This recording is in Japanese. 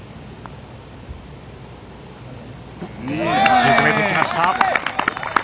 沈めてきました。